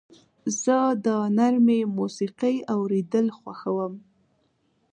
زه د نرمې موسیقۍ اورېدل خوښوم.